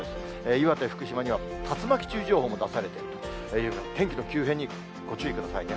岩手、福島には竜巻注意情報も出されているという、天気の急変にご注意くださいね。